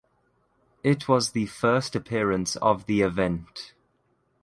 It was the first appearance of the event.